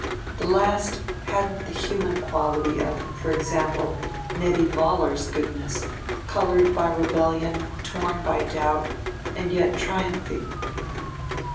The last hadn't the human quality of, for example, Nettie Vollar's goodness, colored by rebellion, torn by doubt, and yet triumphing.